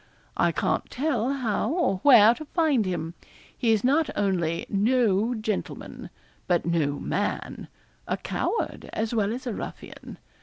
I can't tell how or where to find him. He is not only no gentleman, but no man a coward as well as a ruffian.